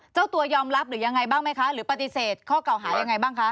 เจ้าตัวยอมรับหรือยังไงบ้างไหมคะหรือปฏิเสธข้อเก่าหายังไงบ้างคะ